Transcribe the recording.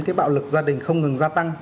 cái bạo lực gia đình không ngừng gia tăng